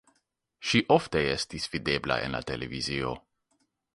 Ŝi ofte estis videbla en la televizio.